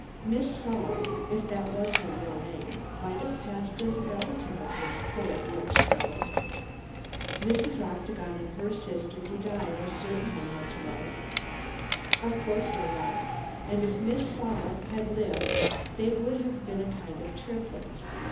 Miss Saul if that was her real name might have passed as a relative of those horrid Loach girls." "Mrs. Octagon and her sister who died are certainly much alike." "Of course they are, and if Miss Saul had lived they would have been a kind of triplets.